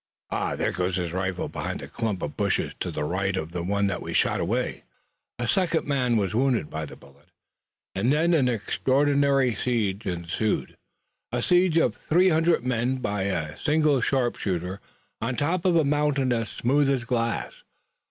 "Ah, there goes his rifle, behind the clump of bushes to the right of the one that we shot away!" A second man was wounded by the bullet, and then an extraordinary siege ensued, a siege of three hundred men by a single sharpshooter on top of a mountain as smooth as glass.